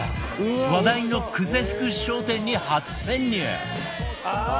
話題の久世福商店に初潜入